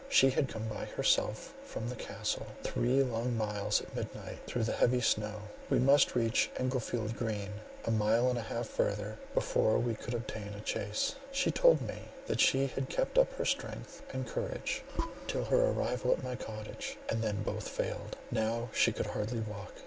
She had come by herself from the Castle, three long miles, at midnight, through the heavy snow; we must reach Englefield Green, a mile and a half further, before we could obtain a chaise. She told me, that she had kept up her strength and courage till her arrival at my cottage, and then both failed. Now she could hardly walk.